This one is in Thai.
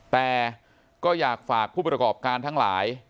แต่ก็อยากฝากผู้ประกอบการทั้งหลาย